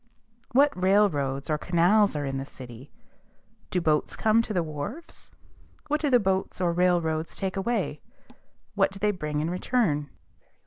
What railroads or canals are in the city? Do boats come to the wharves? What do the boats or railroads take away? What do they bring in return?